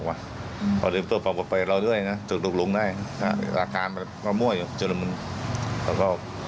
ตำรวจลงพื้นที่ไปตรวจสอบจุดเกิดเหตุอีกครั้งนะครับวันนี้นะครับ